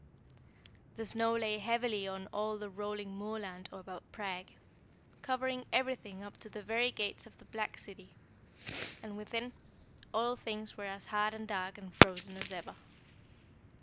The snow lay heavily on all the rolling moorland about Prague, covering everything up to the very gates of the black city; and within, all things were as hard and dark and frozen as ever.